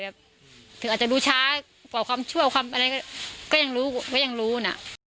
อาจจะรู้ช้าก็ยังรู้นะ